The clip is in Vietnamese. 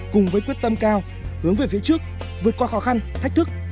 cùng với quyết tâm cao hướng về phía trước vượt qua khó khăn thách thức